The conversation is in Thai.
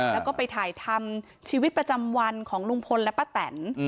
แล้วก็ไปถ่ายทำชีวิตประจำวันของลุงพลและป้าแตน